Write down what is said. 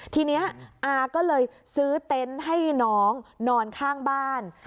ทีนี้อาก็เลยซื้อเต็นต์ให้น้องนอนข้างบ้าน